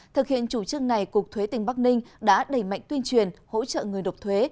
thực hiện chủ trương này cục thuế tỉnh bắc ninh đã đẩy mạnh tuyên truyền hỗ trợ người độc thuế